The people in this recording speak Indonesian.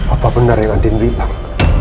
apa benar yang endin bilang